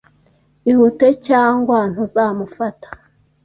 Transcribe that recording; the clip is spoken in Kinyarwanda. Ihute, cyangwa ntuzamufata.